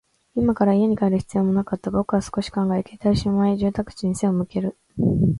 今から家に帰る必要もなかった。僕は少し考え、携帯をしまい、住宅地に背を向ける。